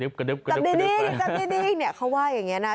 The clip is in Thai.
จับดีนี่เขาว่ายอย่างนี้นะ